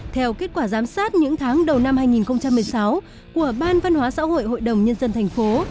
theo kết quả giám sát những tháng đầu năm hai nghìn một mươi sáu của ban văn hóa xã hội hội đồng nhân dân thành phố